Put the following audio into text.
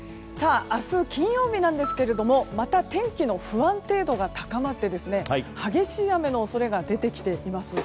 明日金曜日なんですけれどもまた天気の不安定度が高まって激しい雨の恐れが出てきています。